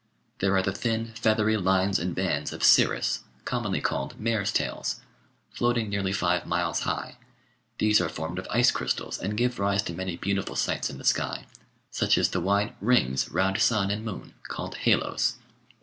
There are the thin feathery lines and bands of cirrus, commonly called "mares' tails," floating nearly five miles high ; these are formed of ice crystals and give rise to many beautiful sights in the sky, such as the wide "rings" round sun and moon, called halos.